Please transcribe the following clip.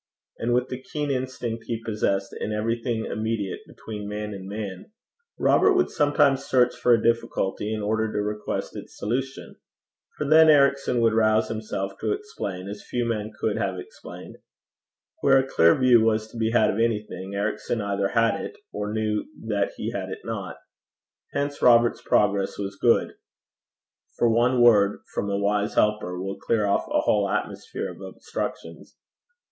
And with the keen instinct he possessed in everything immediate between man and man, Robert would sometimes search for a difficulty in order to request its solution; for then Ericson would rouse himself to explain as few men could have explained: where a clear view was to be had of anything, Ericson either had it or knew that he had it not. Hence Robert's progress was good; for one word from a wise helper will clear off a whole atmosphere of obstructions.